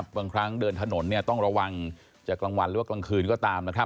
บางครั้งเดินถนนต้องระวังจากกลางวันหรือกลางคืนก็ตาม